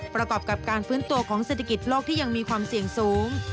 ประกอบกับการฟื้นตัวของเศรษฐกิจโลกที่ยังมีความเสี่ยงสูง